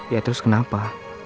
ya terus kenapa